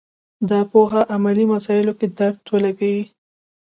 دا پوهه علمي مسایلو کې درد ولګېږي